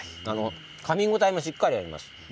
かみ応えもしっかりあります。